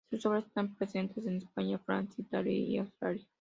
Sus obras están presentes en España, Francia, Italia y Austria.